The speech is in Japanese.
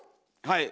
はい。